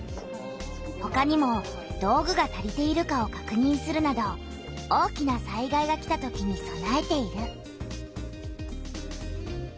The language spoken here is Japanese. ほかにも道具が足りているかをかくにんするなど大きな災害が来たときにそなえている。